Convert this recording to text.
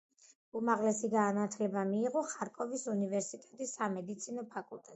უმაღლესი განათლება მიიღო ხარკოვის უნივერსიტეტის სამედიცინო ფაკულტეტზე.